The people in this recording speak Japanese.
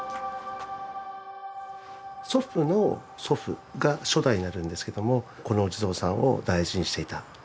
祖父の祖父が初代になるんですけどもこのお地蔵さんを大事にしていた。